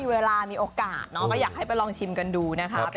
เวลามีโอกาสก็อยากให้ไปลองชิมกันดูนะคะ